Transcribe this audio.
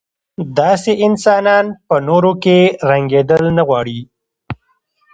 داسې انسانان په نورو کې رنګېدل نه غواړي.